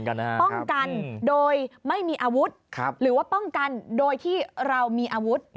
ป้องกันโดยไม่มีอาวุธหรือว่าป้องกันโดยที่เรามีอาวุธ